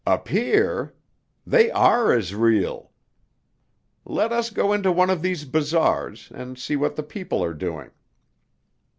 "Appear! They are as real. Let us go into one of these bazars, and see what the people are doing."